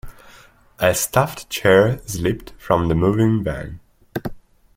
A stuffed chair slipped from the moving van.